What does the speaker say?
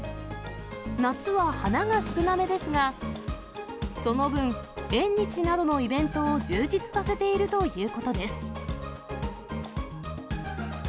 夏は花が少なめですが、その分、縁日などのイベントを充実させているということです。